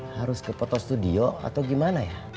harus ke photo studio atau gimana ya